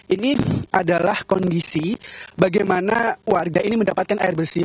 ini adalah kondisi bagaimana warga ini mendapatkan air bersih